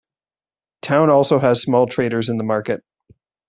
Town also has small traders in the market.